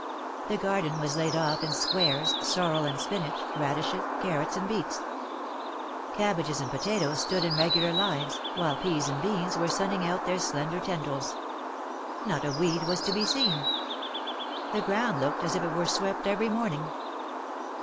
The garden was laid off in squares, sorrel and spinach, radishes, carrots and beets. Cabbages and potatoes stood in regular lines, while peas and beans were sending out their slender tendrils. Not a weed was to be seen. The ground looked as if it were swept every morning.